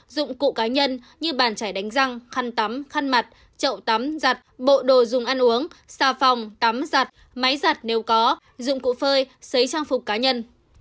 dụng cụ cá nhân như bàn chải đánh răng khăn tắm khăn mặt chậu tắm giặt bộ đồ dùng ăn uống xà phòng tắm giặt máy giặt nếu có dụng cụ phơi xấy trang phục cá nhân